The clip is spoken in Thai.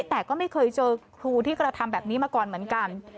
แต่ก็ไม่เคยเจอครูที่กระทำแบบนี้มาก่อนเหมือนกัน